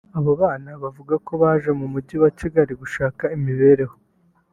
Abo bana bavuga ko baje mu mujyi wa Kigali gushaka imibereho